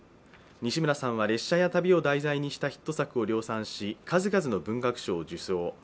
西村さんは列車や旅を題材にしたヒット作を量産し数々の文学賞を受賞。